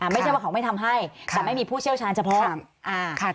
ไม่ใช่ว่าเขาไม่ทำให้แต่ไม่มีผู้เชี่ยวชาญเฉพาะ